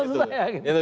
itu maksud saya